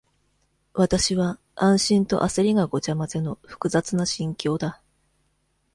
わたしは、安心とあせりがごちゃまぜの、複雑な心境だ。